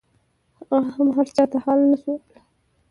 هغه هم هرچا ته حال نسو ويلاى.